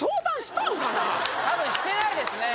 多分してないですね